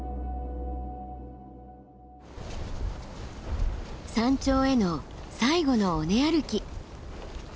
山頂への最後の尾根歩き。